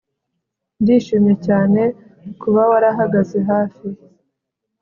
Ndishimye cyane kuba warahagaze hafi